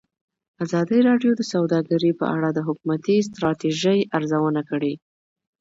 ازادي راډیو د سوداګري په اړه د حکومتي ستراتیژۍ ارزونه کړې.